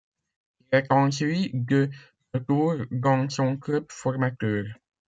Il est ensuite de retour dans son club formateur.